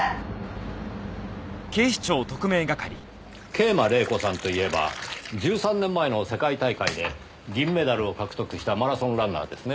桂馬麗子さんといえば１３年前の世界大会で銀メダルを獲得したマラソンランナーですね。